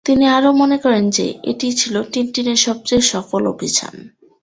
তিনি আরো মনে করেন যে, এটিই ছিল 'টিনটিনের সবচেয়ে সফল অভিযান'।